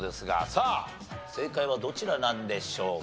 さあ正解はどちらなんでしょうか。